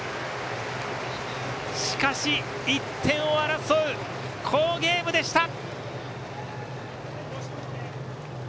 しかし、１点を争う好ゲームでした。